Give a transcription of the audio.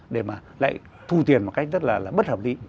để mà lại thu tiền một cách rất là bất hợp lý